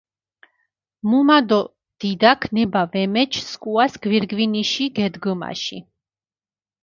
მუმა დო დიდაქ ნება ვამეჩჷ სქუას გირგვინიში გედგჷმაში.